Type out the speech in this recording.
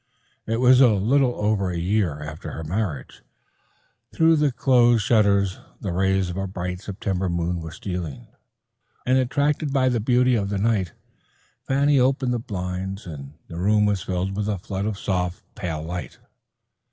It was a little over a year after her marriage. Through the closed shutters the rays of a bright September moon were stealing, and attracted by the beauty of the night, Fanny opened the blinds and the room was filled with a flood of soft, pale light.